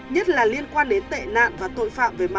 nhất là liên quan đến tệ nạn và tội phạm